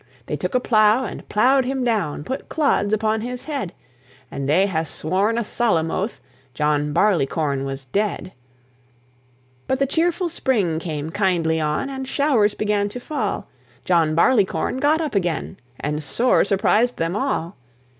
They took a plow and plowed him down, Put clods upon his head; And they ha'e sworn a solemn oath John Barleycorn was dead. But the cheerful spring came kindly on, And showers began to fall; John Barleycorn got up again, And sore surprised them all.